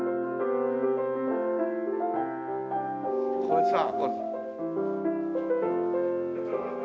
これさ。